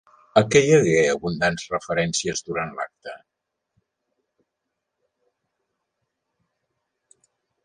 A què hi hagué abundants referències durant l'acte?